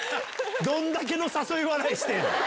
どんだけの誘い笑いしてんの？